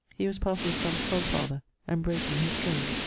He was parson Stump's godfather, and brake in his trade.